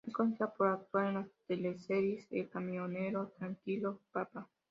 Es conocida por actuar en las teleseries "El Camionero" y "Tranquilo papá".